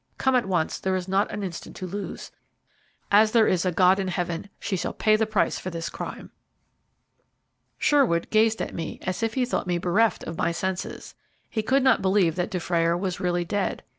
Come at once; there is not an instant to lose. As there is a God in Heaven, she shall pay the price for this crime." Sherwood gazed at me, as if he thought me bereft of my senses. He could not believe that Dufrayer was really dead.